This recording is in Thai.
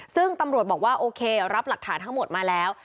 ซึ่งตำรวจบอกว่าโอเครับหลักฐานทั้งหมดมาแล้ว